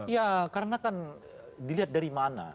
ya karena kan dilihat dari mana